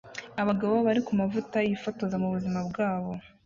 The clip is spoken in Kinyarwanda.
Abagabo bari kumavuta yifotoza mubuzima bwabo